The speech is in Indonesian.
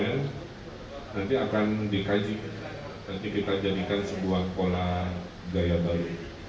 nanti akan dikaji nanti kita jadikan sebuah pola gaya baru